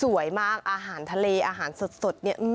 สวยมากอาหารทะเลอาหารสดเนี่ย